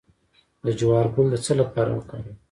د جوار ګل د څه لپاره وکاروم؟